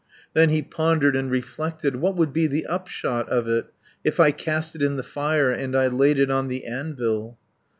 "Then he pondered and reflected, 'What would be the upshot of it, If I cast it in the fire, And I laid it on the anvil?'